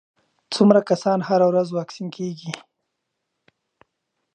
څومره کسان هره ورځ واکسین کېږي؟